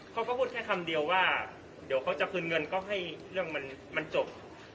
เขาก็พูดแค่คำเดียวว่าเดี๋ยวเขาจะคืนเงินก็ให้เรื่องมันจบ